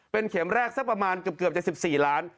เป็นเข็มแรกสักประมาณเกือบจะ๑๔ล้าน